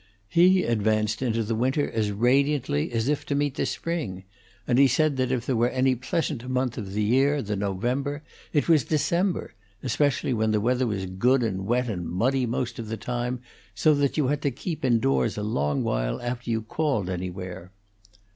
He advanced into the winter as radiantly as if to meet the spring, and he said that if there were any pleasanter month of the year than November, it was December, especially when the weather was good and wet and muddy most of the time, so that you had to keep indoors a long while after you called anywhere.